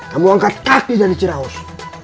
kamu angkat kaki dari jerawas